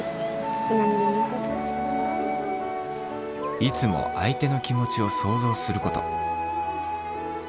いつもあいての気持ちを想像すること。